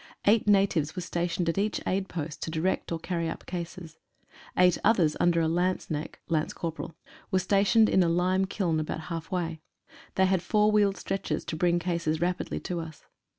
Eight natives were stationed at each aid post to direct or carry up cases. Eight others under a lance naik (lance corporal) were stationed in a lime kiln about half way. They had four wheeled stretchers to bring cases rapidly to us.